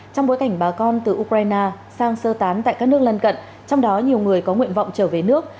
trong bối cảnh bà con từ ukraine sang sơ tán tại các nước lân cận trong đó nhiều người có nguyện vọng trở về nước